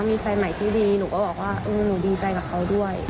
ตอนนี้เขามีชีวิตใหม่ที่ดีหนูก็บอกว่าหนูดีใจกับเขาด้วย